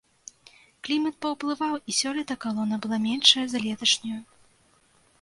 Клімат паўплываў, і сёлета калона была меншая за леташнюю.